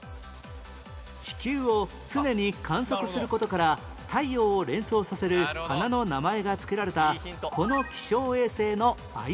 地球を常に観測する事から太陽を連想させる花の名前がつけられたこの気象衛星の愛称は？